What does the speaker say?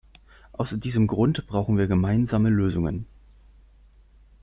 Aus diesem Grund brauchen wir gemeinsame Lösungen.